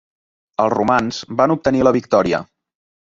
Els romans van obtenir la victòria.